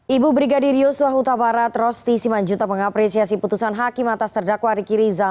ibu brigadir yusuf hutabara trosti simanjuta mengapresiasi putusan hakim atas terdakwa riki rizal